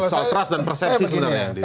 soal trust dan persepsi sebenarnya